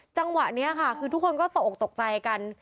จังหวะนี้ค่ะคือทุกคนก็ตกออกตกใจกัน